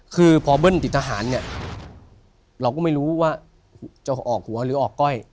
คือพอเบิ้ลติดทหารเนี่ยเราก็ไม่รู้ว่าจะออกหัวหรือออกก้อย